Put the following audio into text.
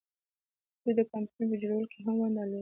دوی د کمپیوټرونو په جوړولو کې هم ونډه لري.